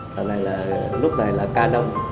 thằng này là lúc này là canon